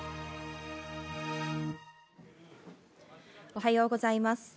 おはようございます。